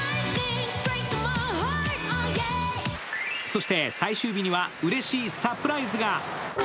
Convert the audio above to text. そして最終日にはうれしいサプライズが。